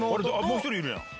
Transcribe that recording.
もう１人いるじゃん。